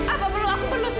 apa perlu aku menutup